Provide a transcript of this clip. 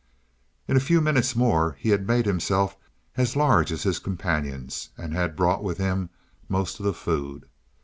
In a few minutes more he had made himself as large as his companions, and had brought with him most of the food.